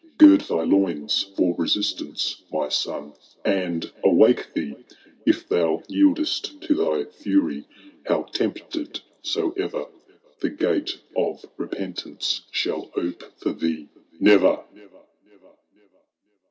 Gird thy loins fbr resistance, my son, and awake thee ; If thou yieldVt to thy fury, how tempted soever. The gate of repentance shall ope fbr thee nxvbr